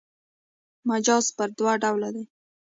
مجاز پر دوه ډوله دﺉ.